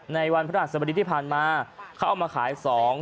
ในวันพระราชสมดีที่ผ่านมาเขาเอามาขายสอง